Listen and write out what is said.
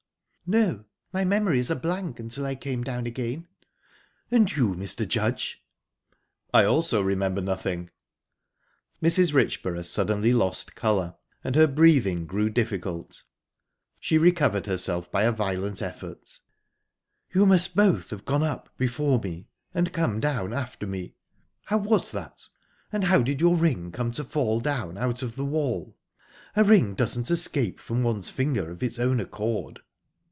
"No; my memory is a blank, till I came down again." "And you, Mr. Judge?" "I also remember nothing." Mrs. Richborough suddenly lost colour, and her breathing grew difficult. She recovered herself by a violent effort. "You must both have gone up before me, and come down after me. How was that? And how did your ring come to fall down out of the wall? A ring doesn't escape from one's finger of its own accord."